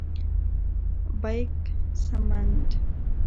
-بیک سمند: